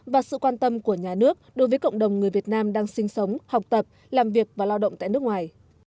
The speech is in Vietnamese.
và sự quan tâm của nhà nước đối với cộng đồng người việt nam đang sinh sống học tập làm việc và lao động tại nước ngoài